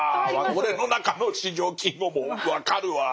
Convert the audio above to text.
俺の中の四条金吾も分かるわ。